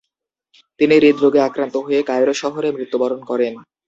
তিনি হৃদরোগে আক্রান্ত হয়ে কায়রো শহরে মৃত্যুবরণ করেন।